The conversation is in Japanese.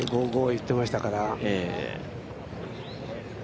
言ってましたから。